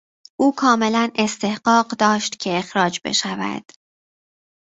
او کاملا استحقاق داشت که اخراج بشود.